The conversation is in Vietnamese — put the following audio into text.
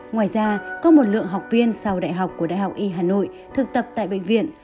ngoài ra có một lượng học viên sau đại học của đại học y hà nội thực tập tại bệnh viện